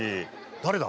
誰だ？